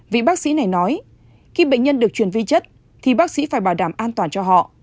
vị bác sĩ này nói khi bệnh nhân được truyền vi chất thì bác sĩ phải bảo đảm an toàn cho họ